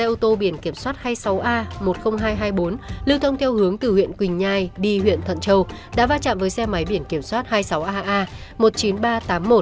xe ô tô biển kiểm soát hai mươi sáu a một mươi nghìn hai trăm hai mươi bốn lưu thông theo hướng từ huyện quỳnh nhai đi huyện thuận châu đã va chạm với xe máy biển kiểm soát hai mươi sáu aa một mươi chín nghìn ba trăm tám mươi một